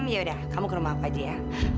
yaudah kamu ke rumah aku aja ya